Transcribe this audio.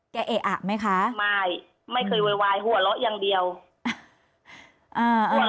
เอะอะไหมคะไม่ไม่เคยโวยวายหัวเราะอย่างเดียวอ่า